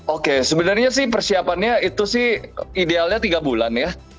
oke sebenarnya sih persiapannya itu sih idealnya tiga bulan ya